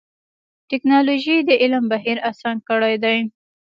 ټکنالوجي د تعلیم بهیر اسان کړی دی.